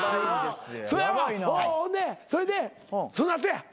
そやわほんでそれでその後や。